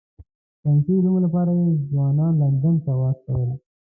د ساینسي علومو لپاره یې ځوانان لندن ته واستول.